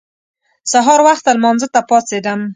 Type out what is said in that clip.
سهار وخته لمانځه ته پاڅېدم.